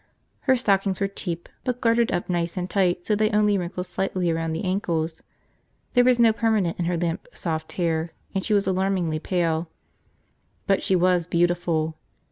Her stockings were cheap but gartered up nice and tight so they only wrinkled slightly around the ankles. There was no permanent in her limp, soft hair, and she was alarmingly pale. But she was beautiful.